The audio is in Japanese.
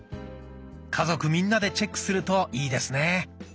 家族みんなでチェックするといいですね。